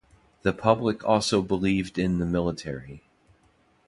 The public also believed in the military.